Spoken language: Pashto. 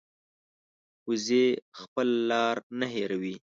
وزې خپله لار نه هېروي